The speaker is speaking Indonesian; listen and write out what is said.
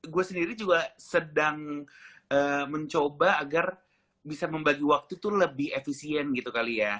gue sendiri juga sedang mencoba agar bisa membagi waktu itu lebih efisien gitu kali ya